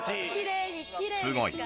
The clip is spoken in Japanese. すごい。